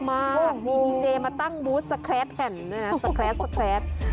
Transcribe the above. มีมีเจมาตั้งบุ๊สสแคร์ดแข่นสแคร์ด